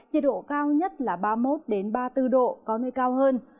nhiệt độ cao nhất là ba mươi một ba mươi bốn độ có nơi cao hơn